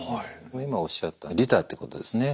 今おっしゃった利他ってことですね